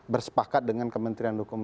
bersepakat dengan kementerian hukum